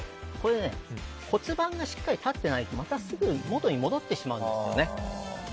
骨盤がしっかり立ってないとまたすぐもとに戻ってしまうんですよね。